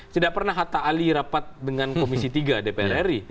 tidak pernah hatta ali rapat dengan komisi tiga dpr ri